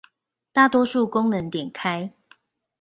大多數功能點開